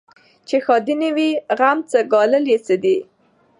چي ښادي نه وي غم څه ګالل یې څه دي